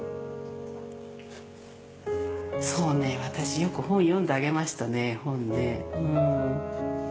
そうねえ私よく本読んであげましたね本ね。